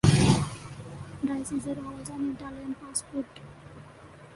Di Cesare holds an Italian passport.